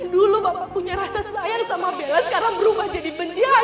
dulu bapak punya rasa sayang sama bella sekarang berubah jadi benci aja gara gara